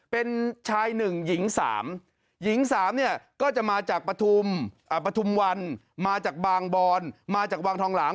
เป็นชาย๑หญิง๓หญิง๓เนี่ยก็จะมาจากปฐุมวันมาจากบางบอนมาจากวังทองหลาง